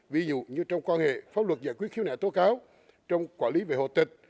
ví dụ như trong quan hệ pháp luật giải quyết khiếu nẻ tố cáo trong quả lý về hộ tịch